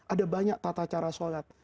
ada banyak tata cara sholat